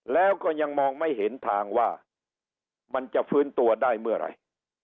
แล้วก็ยังมองไม่เห็นทางว่ามันจะฟื้นตัวได้เมื่อไหร่